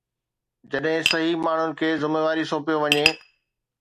جڏهن صحيح ماڻهن کي ذميواري سونپيو وڃي.